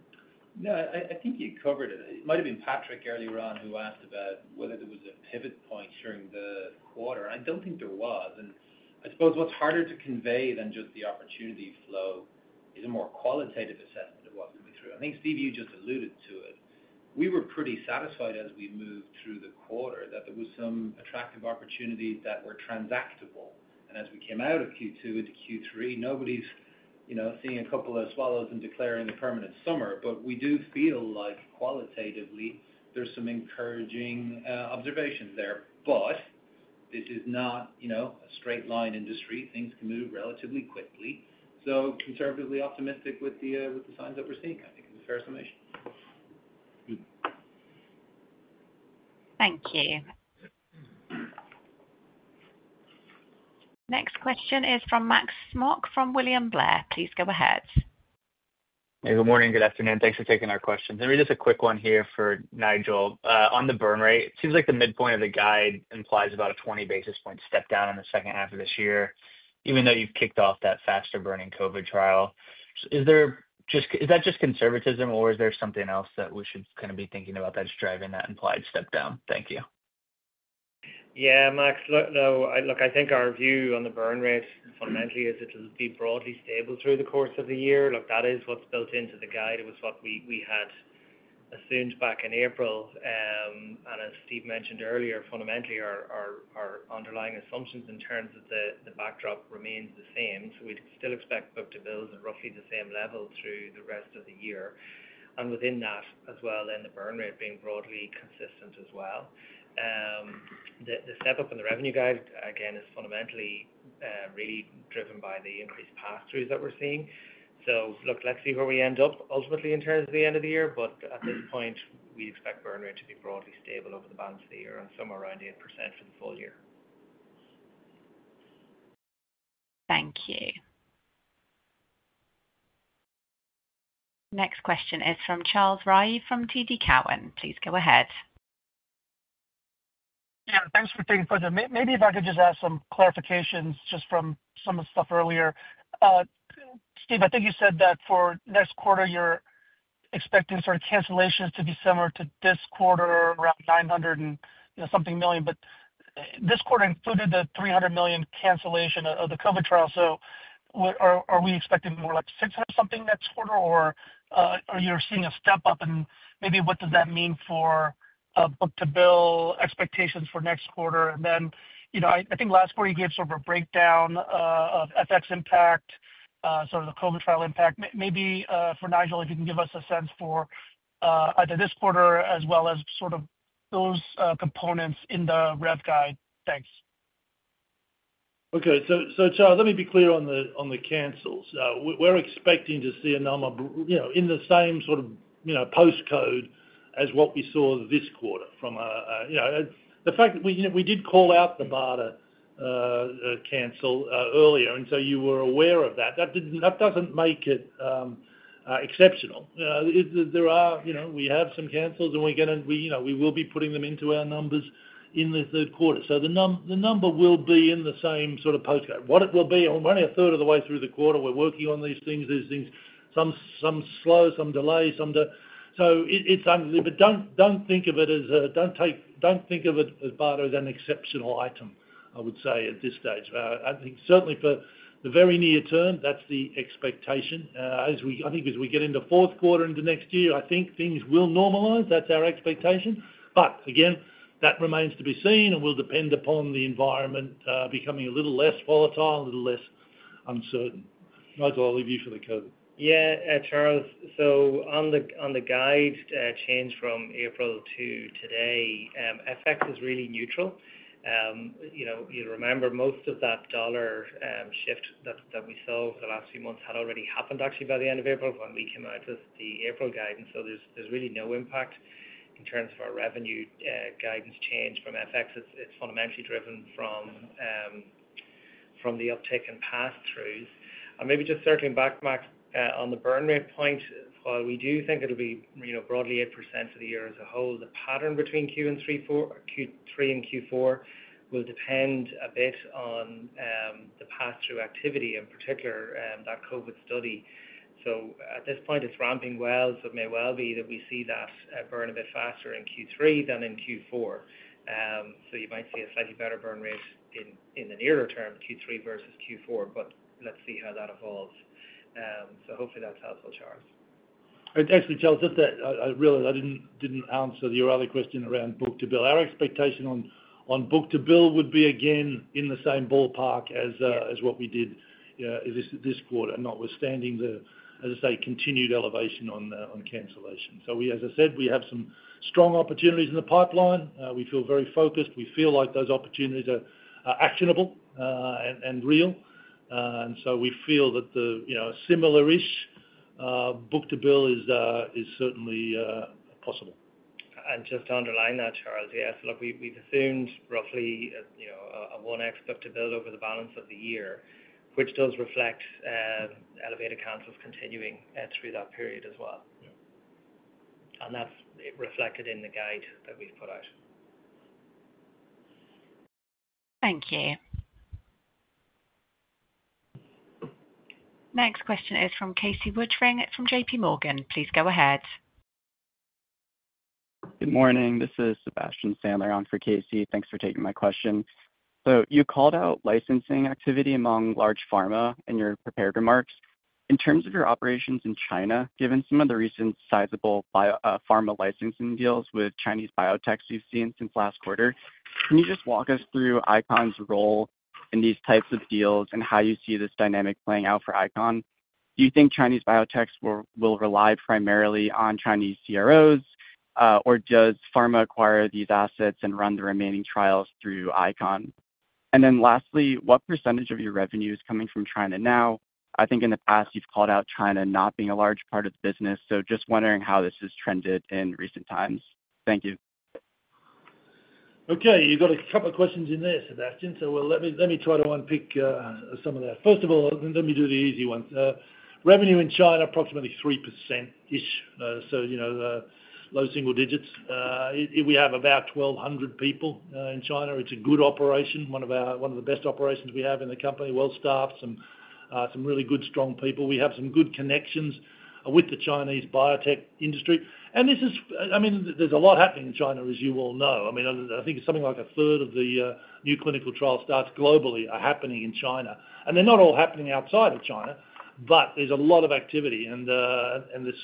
No, I think you covered it. It might have been Patrick earlier on who asked about whether there was a pivot point during the quarter. I do not think there was. I suppose what is harder to convey than just the opportunity flow is a more qualitative assessment of what is coming through. I think Steve, you just alluded to it. We were pretty satisfied as we moved through the quarter that there were some attractive opportunities that were transactable. As we came out of Q2 into Q3, nobody is seeing a couple of swallows and declaring a permanent summer. We do feel like qualitatively, there are some encouraging observations there. This is not a straight-line industry. Things can move relatively quickly. Conservatively optimistic with the signs that we are seeing, I think, is a fair summation. Thank you. Next question is from Max Smock from William Blair. Please go ahead. Hey, good morning. Good afternoon. Thanks for taking our questions. Just a quick one here for Nigel. On the burn rate, it seems like the midpoint of the guide implies about a 20 basis point step down in the second half of this year, even though you've kicked off that faster-burning COVID trial. Is that just conservatism, or is there something else that we should kind of be thinking about that's driving that implied step down? Thank you. Yeah, Max. Look, I think our view on the burn rate fundamentally is it'll be broadly stable through the course of the year. That is what's built into the guide. It was what we had assumed back in April. And as Steve mentioned earlier, fundamentally, our underlying assumptions in terms of the backdrop remains the same. So we'd still expect book to bills at roughly the same level through the rest of the year. And within that as well, then the burn rate being broadly consistent as well. The setup on the revenue guide, again, is fundamentally really driven by the increased pass-throughs that we're seeing. So look, let's see where we end up ultimately in terms of the end of the year. But at this point, we expect burn rate to be broadly stable over the balance of the year and somewhere around 8% for the full year. Thank you. Next question is from Charles Rye from TD Cowen. Please go ahead. Yeah. Thanks for taking the question. Maybe if I could just add some clarifications just from some of the stuff earlier. Steve, I think you said that for next quarter, you're expecting sort of cancellations to be similar to this quarter, around $900-and-something million. But this quarter included the $300 million cancellation of the COVID trial. So, are we expecting more like $600-something next quarter, or are you seeing a step up? And maybe what does that mean for book-to-bill expectations for next quarter? And then I think last quarter, you gave sort of a breakdown of FX impact, sort of the COVID trial impact. Maybe for Nigel, if you can give us a sense for either this quarter as well as sort of those components in the rev guide. Thanks. Okay. Charles, let me be clear on the cancels. We're expecting to see a number in the same sort of postcode as what we saw this quarter. The fact that we did call out the Barter cancel earlier, and you were aware of that, that doesn't make it exceptional. We have some cancels, and we will be putting them into our numbers in the third quarter. The number will be in the same sort of postcode. What it will be, we're only a third of the way through the quarter. We're working on these things. There are some slow, some delays, so it's unclear. Don't think of Barter as an exceptional item, I would say, at this stage. I think certainly for the very near term, that's the expectation. I think as we get into fourth quarter into next year, I think things will normalize. That's our expectation. That remains to be seen and will depend upon the environment becoming a little less volatile, a little less uncertain. Nigel, I'll leave you for the COVID. Yeah, Charles. On the guide change from April to today, FX is really neutral. You'll remember most of that dollar shift that we saw over the last few months had already happened, actually, by the end of April when we came out with the April guidance. There's really no impact in terms of our revenue guidance change from FX. It's fundamentally driven from the uptick in pass-throughs. Maybe just circling back, Max, on the burn rate point, while we do think it'll be broadly 8% for the year as a whole, the pattern between Q3 and Q4 will depend a bit on the pass-through activity, in particular that COVID study. At this point, it's ramping well. It may well be that we see that burn a bit faster in Q3 than in Q4. You might see a slightly better burn rate in the nearer term, Q3 versus Q4. Let's see how that evolves. Hopefully that's helpful, Charles. Actually, Charles, just that I realized I didn't answer your other question around book-to-bill. Our expectation on book-to-bill would be, again, in the same ballpark as what we did this quarter, notwithstanding the, as I say, continued elevation on cancellation. As I said, we have some strong opportunities in the pipeline. We feel very focused. We feel like those opportunities are actionable and real. We feel that a similar-ish book-to-bill is certainly possible. Just to underline that, Charles, yes. Look, we've assumed roughly a 1x book-to-bill over the balance of the year, which does reflect elevated cancels continuing through that period as well. That is reflected in the guide that we've put out. Thank you. Next question is from Casey Woodfring from J.P. Morgan. Please go ahead. Good morning. This is Sebastian Sandler on for Casey. Thanks for taking my question. You called out licensing activity among large pharma in your prepared remarks. In terms of your operations in China, given some of the recent sizable pharma licensing deals with Chinese biotechs we have seen since last quarter, can you just walk us through ICON's role in these types of deals and how you see this dynamic playing out for ICON? Do you think Chinese biotechs will rely primarily on Chinese CROs, or does pharma acquire these assets and run the remaining trials through ICON? Lastly, what percentage of your revenue is coming from China now? I think in the past, you have called out China not being a large part of the business. Just wondering how this has trended in recent times. Thank you. Okay. You've got a couple of questions in there, Sebastian. Let me try to unpick some of that. First of all, let me do the easy ones. Revenue in China, approximately 3%-ish. Low single digits. We have about 1,200 people in China. It's a good operation, one of the best operations we have in the company. Well-staffed, some really good, strong people. We have some good connections with the Chinese biotech industry. There's a lot happening in China, as you all know. I think it's something like a third of the new clinical trial starts globally are happening in China. They're not all happening outside of China, but there's a lot of activity.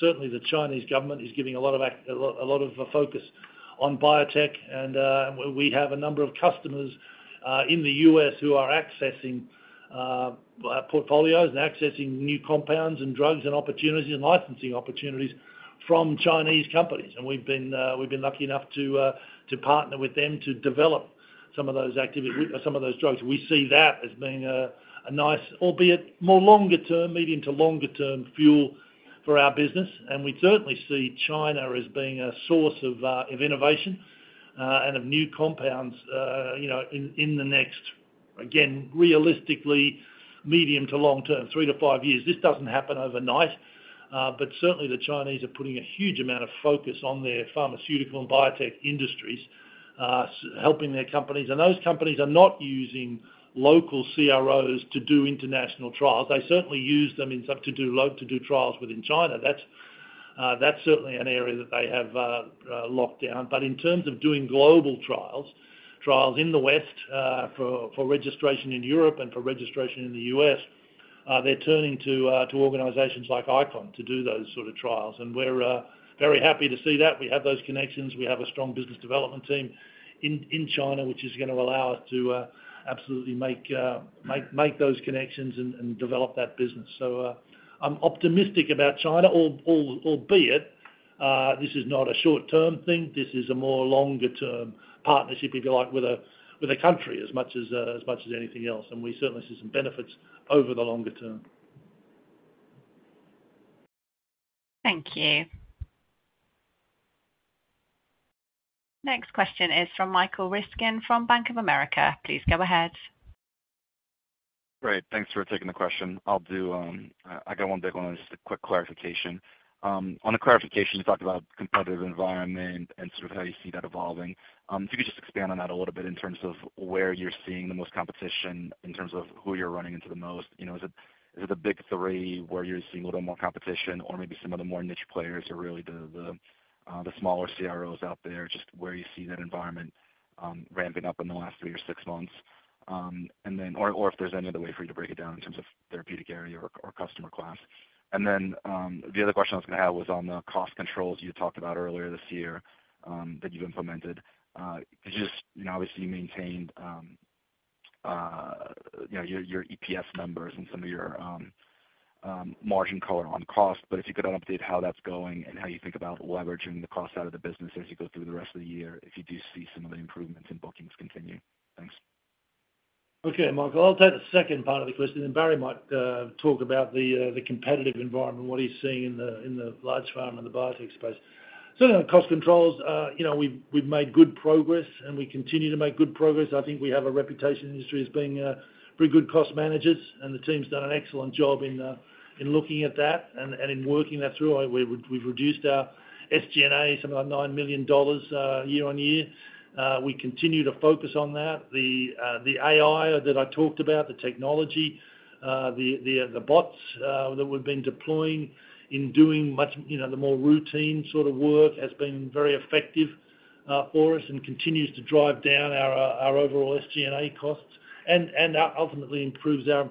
Certainly, the Chinese government is giving a lot of focus on biotech. We have a number of customers in the U.S. who are accessing portfolios and accessing new compounds and drugs and opportunities and licensing opportunities from Chinese companies. We've been lucky enough to partner with them to develop some of those activities, some of those drugs. We see that as being a nice, albeit more longer-term, medium to longer-term fuel for our business. We certainly see China as being a source of innovation and of new compounds. In the next, again, realistically, medium to long-term, three to five years. This doesn't happen overnight. Certainly, the Chinese are putting a huge amount of focus on their pharmaceutical and biotech industries, helping their companies. Those companies are not using local CROs to do international trials. They certainly use them to do trials within China. That's certainly an area that they have locked down. In terms of doing global trials, trials in the West for registration in Europe and for registration in the U.S., they're turning to organizations like ICON to do those sort of trials. We're very happy to see that. We have those connections. We have a strong business development team in China, which is going to allow us to absolutely make those connections and develop that business. I'm optimistic about China, albeit this is not a short-term thing. This is a more longer-term partnership, if you like, with a country as much as anything else. We certainly see some benefits over the longer term. Thank you. Next question is from Michael Riskin from Bank of America. Please go ahead. Great. Thanks for taking the question. I'll do. I got one big one, just a quick clarification. On the clarification, you talked about competitive environment and sort of how you see that evolving. If you could just expand on that a little bit in terms of where you're seeing the most competition in terms of who you're running into the most. Is it the big three where you're seeing a little more competition, or maybe some of the more niche players or really the smaller CROs out there, just where you see that environment ramping up in the last three or six months? Or if there's any other way for you to break it down in terms of therapeutic area or customer class. And then the other question I was going to have was on the cost controls you talked about earlier this year that you've implemented. Because obviously, you maintained your EPS numbers and some of your margin color on cost. If you could unupdate how that's going and how you think about leveraging the cost out of the business as you go through the rest of the year, if you do see some of the improvements in bookings continue. Thanks. Okay, Mike. I'll take the second part of the question and Barry might talk about the competitive environment, what he's seeing in the large pharma and the biotech space. Certainly, on cost controls, we've made good progress, and we continue to make good progress. I think we have a reputation in the industry as being pretty good cost managers, and the team's done an excellent job in looking at that and in working that through. We've reduced our SG&A, some of our $9 million year on year. We continue to focus on that. The AI that I talked about, the technology, the bots that we've been deploying in doing the more routine sort of work has been very effective for us and continues to drive down our overall SG&A costs and ultimately improves our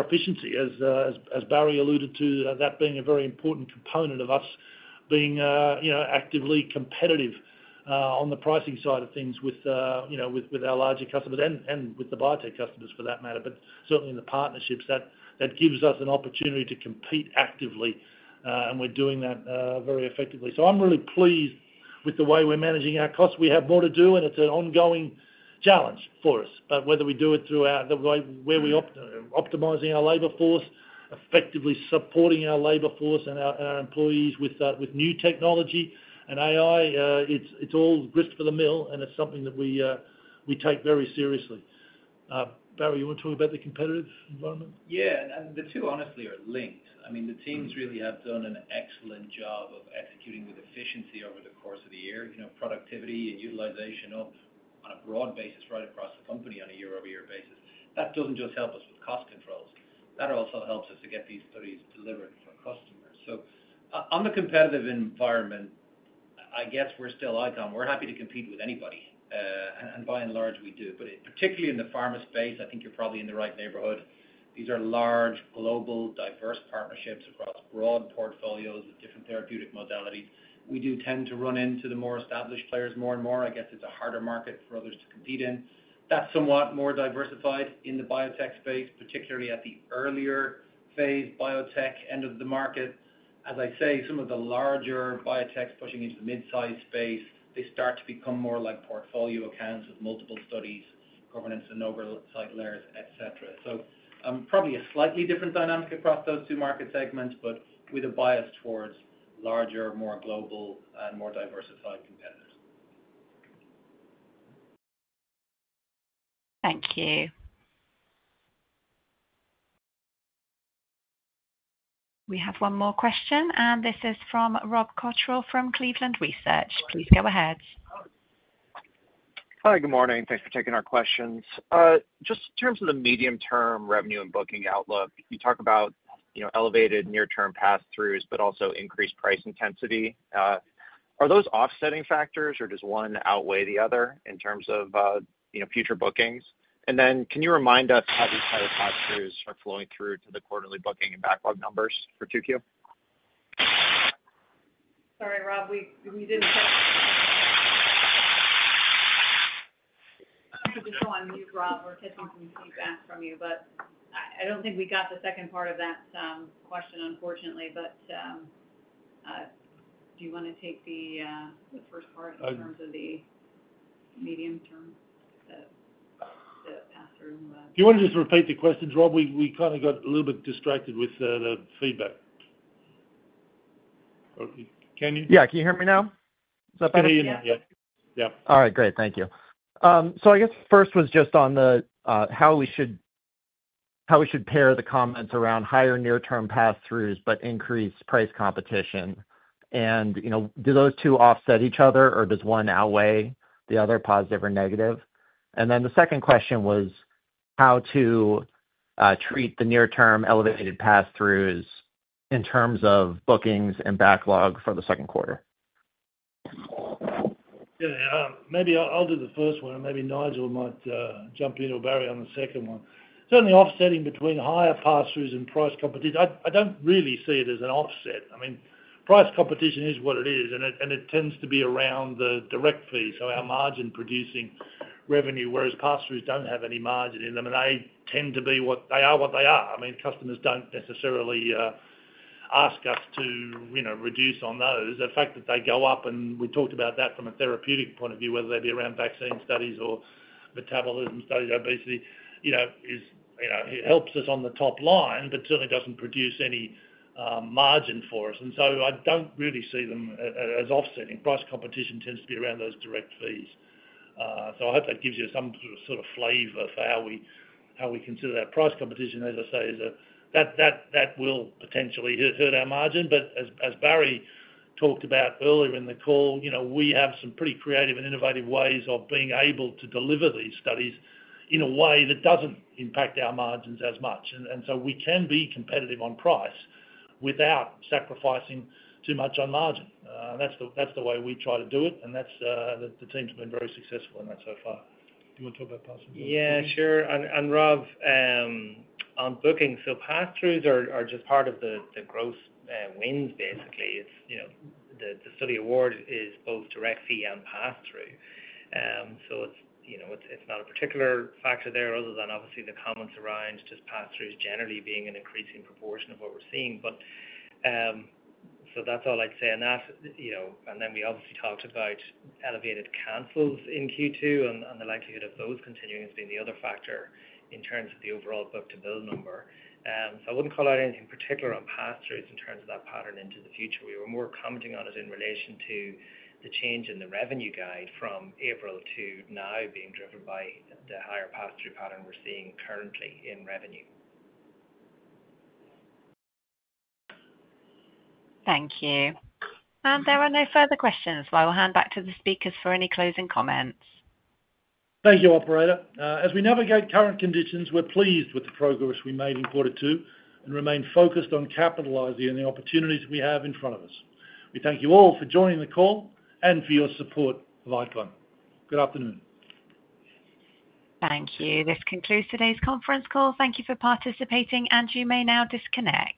efficiency, as Barry alluded to, that being a very important component of us being actively competitive on the pricing side of things with our larger customers and with the biotech customers for that matter. Certainly, in the partnerships, that gives us an opportunity to compete actively, and we're doing that very effectively. I'm really pleased with the way we're managing our costs. We have more to do, and it's an ongoing challenge for us. Whether we do it through where we're optimizing our labor force, effectively supporting our labor force and our employees with new technology and AI, it's all grit for the mill, and it's something that we take very seriously. Barry, you want to talk about the competitive environment? Yeah. The two, honestly, are linked. I mean, the teams really have done an excellent job of executing with efficiency over the course of the year, productivity and utilization on a broad basis right across the company on a year-over-year basis. That does not just help us with cost controls. That also helps us to get these studies delivered for customers. On the competitive environment, I guess we are still ICON. We are happy to compete with anybody, and by and large, we do. Particularly in the pharma space, I think you are probably in the right neighborhood. These are large, global, diverse partnerships across broad portfolios of different therapeutic modalities. We do tend to run into the more established players more and more. I guess it is a harder market for others to compete in. That is somewhat more diversified in the biotech space, particularly at the earlier phase biotech end of the market. As I say, some of the larger biotechs pushing into the mid-size space, they start to become more like portfolio accounts with multiple studies, governance and oversight layers, etc. Probably a slightly different dynamic across those two market segments, but with a bias towards larger, more global, and more diversified competitors. Thank you. We have one more question, and this is from Rob Cottrell from Cleveland Research. Please go ahead. Hi, good morning. Thanks for taking our questions. Just in terms of the medium-term revenue and booking outlook, you talk about elevated near-term pass-throughs, but also increased price intensity. Are those offsetting factors, or does one outweigh the other in terms of future bookings? And then can you remind us how these kind of pass-throughs are flowing through to the quarterly booking and backlog numbers for TUCU? Sorry, Rob, we did not catch—we are just so on mute, Rob. We are catching some feedback from you, but I do not think we got the second part of that question, unfortunately. Do you want to take the first part in terms of the medium-term pass-through? Do you want to just repeat the question, Rob? We kind of got a little bit distracted with the feedback. Can you? Yeah. Can you hear me now? Is that better? Yeah. All right. Great. Thank you. I guess first was just on how we should pair the comments around higher near-term pass-throughs but increased price competition. Do those two offset each other, or does one outweigh the other, positive or negative? The second question was how to treat the near-term elevated pass-throughs in terms of bookings and backlog for the second quarter. Yeah. Maybe I'll do the first one. And maybe Nigel might jump in or Barry on the second one. Certainly, offsetting between higher pass-throughs and price competition, I don't really see it as an offset. I mean, price competition is what it is, and it tends to be around the direct fee, so our margin-producing revenue, whereas pass-throughs don't have any margin in them, and they tend to be what they are what they are. I mean, customers don't necessarily ask us to reduce on those. The fact that they go up, and we talked about that from a therapeutic point of view, whether they be around vaccine studies or metabolism studies, obesity. It helps us on the top line, but certainly doesn't produce any margin for us. And so I don't really see them as offsetting. Price competition tends to be around those direct fees. I hope that gives you some sort of flavor for how we consider that. Price competition, as I say, that will potentially hurt our margin. But as Barry talked about earlier in the call, we have some pretty creative and innovative ways of being able to deliver these studies in a way that doesn't impact our margins as much. And so we can be competitive on price without sacrificing too much on margin. That's the way we try to do it, and the team's been very successful in that so far. Do you want to talk about pass-throughs? Yeah, sure. And Rob. On bookings, pass-throughs are just part of the growth wins, basically. The study award is both direct fee and pass-through. It is not a particular factor there other than, obviously, the comments around just pass-throughs generally being an increasing proportion of what we are seeing. That is all I would say on that. We obviously talked about elevated cancels in Q2 and the likelihood of those continuing as being the other factor in terms of the overall book-to-bill number. I would not call out anything particular on pass-throughs in terms of that pattern into the future. We were more commenting on it in relation to the change in the revenue guide from April to now being driven by the higher pass-through pattern we are seeing currently in revenue. Thank you. There are no further questions, so I will hand back to the speakers for any closing comments. Thank you, Operator. As we navigate current conditions, we're pleased with the progress we made in quarter two and remain focused on capitalizing on the opportunities we have in front of us. We thank you all for joining the call and for your support of ICON. Good afternoon. Thank you. This concludes today's conference call. Thank you for participating, and you may now disconnect.